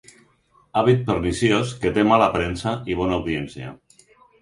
Hàbit perniciós que té mala premsa i bona audiència.